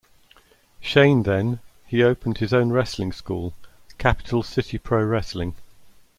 Shane then, he opened his own wrestling school, Capital City Pro Wrestling.